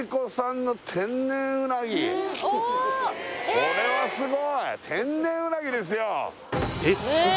これはすごい天然うなぎですよ